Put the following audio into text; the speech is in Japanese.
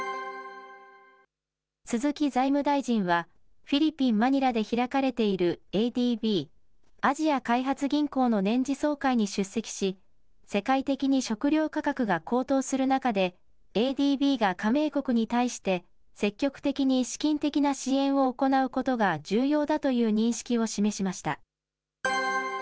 鈴木財務大臣は、フィリピン・マニラで開かれているＡＤＢ・アジア開発銀行の年次総会に出席し、世界的に食料価格が高騰する中で、ＡＤＢが加盟国に対して、積極的に資金的な支援を行うことが重要だという認識を示しました。